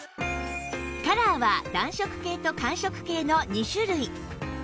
カラーは暖色系と寒色系の２種類